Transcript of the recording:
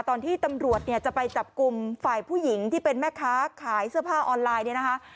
ตอนที่ตำรวจเนี่ยจะไปจับกลุ่มฝ่ายผู้หญิงที่เป็นแม่ค้าขายเสื้อผ้าออนไลน์เนี่ยนะคะ